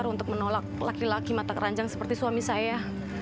untuk menolak laki laki mata keranjang seperti suami saya